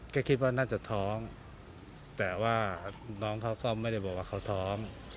ก็คิดว่าน่าจะท้องแต่ว่าน้องเขาก็ไม่ได้บอกว่าเขาท้อง